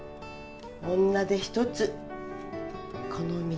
女手一つこの道